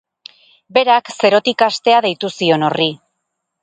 Berak zerotik hastea deitu zion horri.